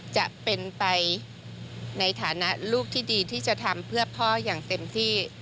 จะเป็นไปในฐานะลูกที่ดีที่จะทำเพื่อพ่ออย่างเต็มที่